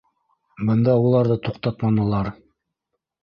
Бында уларҙы туҡтатманылар.